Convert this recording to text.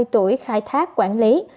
ba mươi tuổi khai thác quản lý